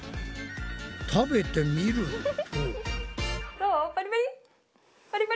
食べてみると。